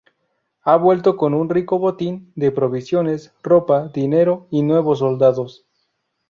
Ha vuelto con un rico botín de provisiones, ropa, dinero y nuevos soldados.